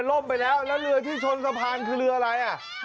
ล่มไปแล้วแล้วเรือที่ชนสะพานคือเรืออะไรอ่ะ